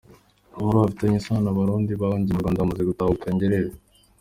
Inkuru bifitanye isano: Abarundi bahungiye mu Rwanda hamaze gutahuka ngerere.